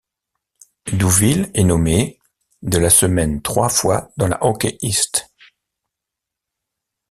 Douville est nommé ' de la semaine trois fois dans la Hockey East.